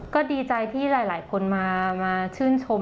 ก็ดีใจที่หลายคนมาชื่นชม